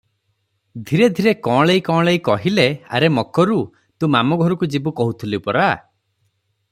ଧୀରେ ଧୀରେ କଅଁଳେଇ କଅଁଳେଇ କହିଲେ, ଆରେ ମକରୁ! ତୁ ମାମୁଁ ଘରକୂ ଯିବୁ କହୁଥିଲୁ ପରା?